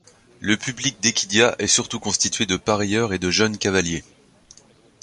Le public d'Equidia est surtout constitué de parieurs et de jeunes cavaliers.